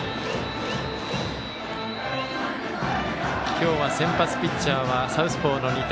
今日は先発ピッチャーはサウスポーの仁田。